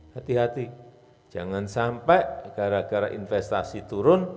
hati hati jangan sampai gara gara investasi turun